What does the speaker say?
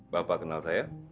bapak kenal saya